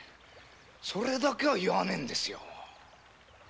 それだけは言わないんですよ。